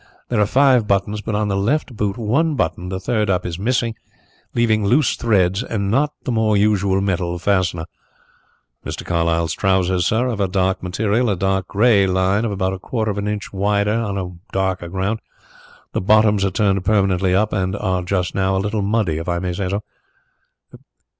There are five buttons, but on the left boot one button the third up is missing, leaving loose threads and not the more usual metal fastener. Mr. Carlyle's trousers, sir, are of a dark material, a dark grey line of about a quarter of an inch width on a darker ground. The bottoms are turned permanently up and are, just now, a little muddy, if I may say so."